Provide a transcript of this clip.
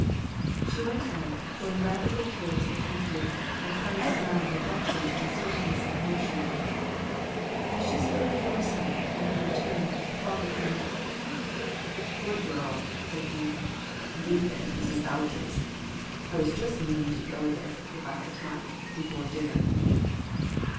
She went out, going rapidly towards the country, and trying to drown reflection by swiftness of motion. As she stood on the door step, at her return, her father came up: "Good girl!" said he. "You've been to Mrs. Boucher's. I was just meaning to go there, if I had time, before dinner."